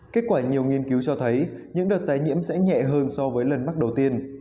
kết quả nhiều nghiên cứu cho thấy những đợt tái nhiễm sẽ nhẹ hơn so với lần mắc đầu tiên